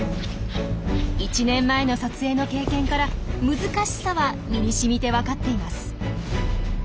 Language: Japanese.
１年前の撮影の経験から難しさは身にしみて分かっています。